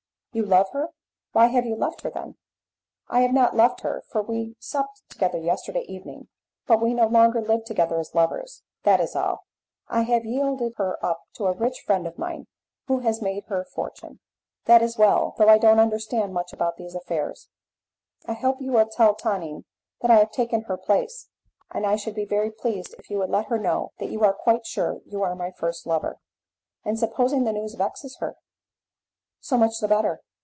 "You love her? Why have you left her, then?" "I have not left her, for we supped together yesterday evening; but we no longer live together as lovers, that is all. I have yielded her up to a rich friend of mine, who has made her fortune." "That is well, though I don't understand much about these affairs. I hope you will tell Tonine that I have taken her place, and I should be very pleased if you would let her know that you are quite sure you are my first lover." "And supposing the news vexes her?" "So much the better.